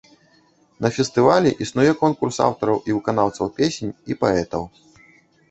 На фестывалі існуе конкурс аўтараў і выканаўцаў песень і паэтаў.